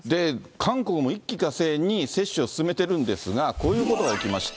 韓国も一気かせいに接種を進めているんですが、こういうことが起きました。